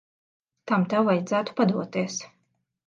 Tam tev vajadzētu padoties.